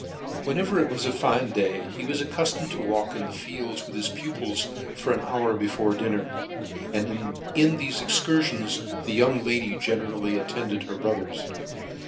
Whenever it was a fine day, he was accuftomed to walk in the fields with his pupils for an hour before dinner , and in thefe excursions the young lady generally attended her brothers.